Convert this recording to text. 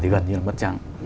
thì gần như là mất chẳng